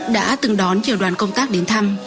đã từng đoán nhiều đoàn công tác đến thăm